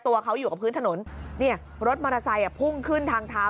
ตัวเขาอยู่กับพื้นถนนเนี่ยรถมอเตอร์ไซค์พุ่งขึ้นทางเท้า